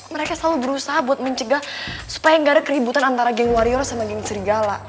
mereka selalu berusaha buat mencegah supaya nggak ada keributan antara gang warrior sama geng serigala